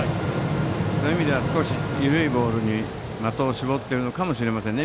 そういう意味では少し緩いボールに的を絞っているかもしれませんね